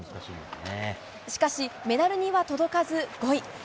しかし、メダルには届かず５位。